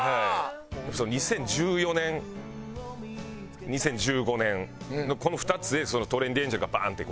２０１４年２０１５年のこの２つでトレンディエンジェルがバーン！って